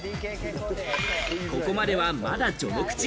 ここまでは、まだ序の口。